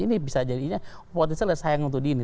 ini bisa jadinya potensial yang sayang untuk di ini